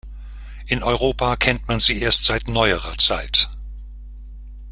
In Europa kennt man sie erst seit neuerer Zeit.